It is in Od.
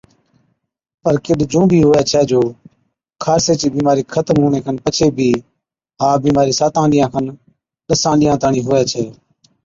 پر ڪِڏ جُون بِي هُوَي ڇَي جو خارسي چِي بِيمارِي ختم هُوَڻي کن پڇي بِي ها بِيمارِي ساتان ڏِينهان کن ڏَسان ڏِينها تاڻِين هُوَي ڇَي۔